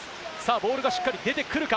ボールがしっかり出てくるか？